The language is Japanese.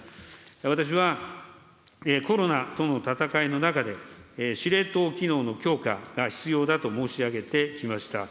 私はコロナとの闘いの中で、司令塔機能の強化が必要だと申し上げてきました。